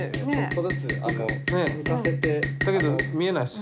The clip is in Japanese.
だけど見えないです